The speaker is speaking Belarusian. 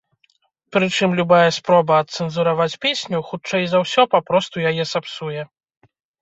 Прычым, любая спроба адцэнзураваць песню, хутчэй за ўсё, папросту яе сапсуе.